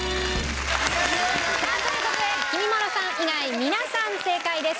さあという事できみまろさん以外皆さん正解です。